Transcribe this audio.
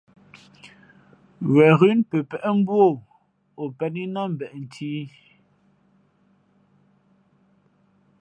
Wen ghʉ̌ pəpéʼ mbú o, o pēn í nά mbeʼ nthʉ̄ ī.